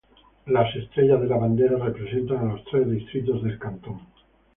Las estrellas de la bandera representan a los tres distritos del cantón.